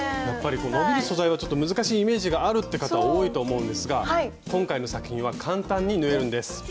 やっぱり伸びる素材はちょっと難しいイメージがあるって方多いと思うんですが今回の作品は簡単に縫えるんです。